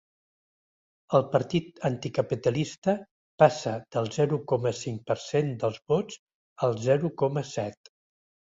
El partit anticapitalista passa del zero coma cinc per cent dels vots al zero coma set.